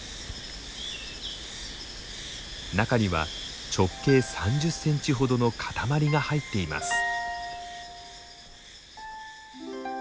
中には直径３０センチほどの塊が入っています。